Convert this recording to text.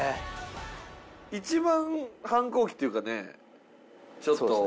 一番反抗期っていうかねちょっと。